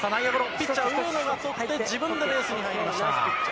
ピッチャー、上野が捕って、自分でベースに入りました。